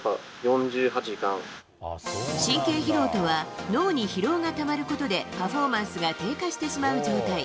神経疲労とは、脳に疲労がたまることでパフォーマンスが低下してしまう状態。